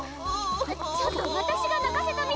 ちょっとわたしがなかせたみたいじゃない。